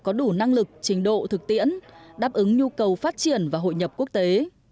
có đủ năng lực trình độ thực tiễn đáp ứng nhu cầu phát triển và hội nhập quốc tế